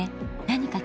何？